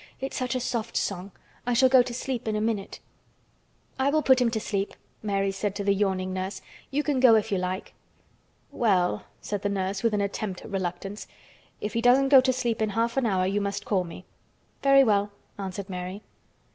"It's such a soft song. I shall go to sleep in a minute." "I will put him to sleep," Mary said to the yawning nurse. "You can go if you like." "Well," said the nurse, with an attempt at reluctance. "If he doesn't go to sleep in half an hour you must call me." "Very well," answered Mary.